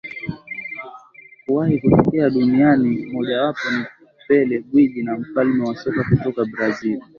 kuwahi kutokea duniani Moja wapo ni Pele Gwiji na mfalme wa soka kutoka Brazil